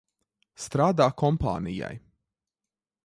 Strādā kompānijai.